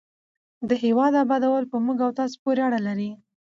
د هېواد ابادول په موږ او تاسو پورې اړه لري.